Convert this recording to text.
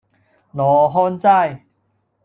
羅漢齋